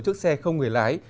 trước xe không người lái